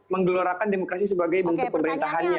menggelorakan demokrasi sebagai bentuk pemerintahannya